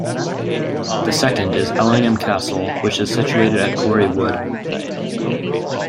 The second is Ellingham Castle which is situated at Quarry Wood.